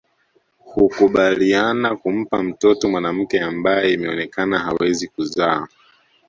Hukubaliana kumpa mtoto mwanamke ambaye imeonekana hawezi kuzaa